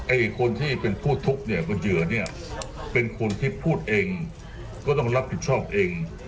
ไอ้คนที่เป็นผู้ทุกข์เนี่ยเป็นเหยื่อเนี่ยเป็นคนที่พูดเองก็ต้องรับผิดชอบเอง